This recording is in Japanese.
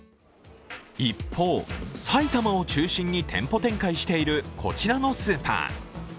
一方、埼玉を中心に店舗展開しているこちらのスーパー。